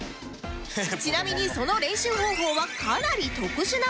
ちなみにその練習方法はかなり特殊なもので